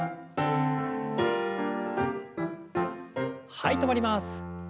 はい止まります。